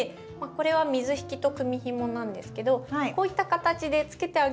これは水引と組みひもなんですけどこういった形でつけてあげると。わすごい！